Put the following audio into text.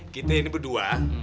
kita ini berdua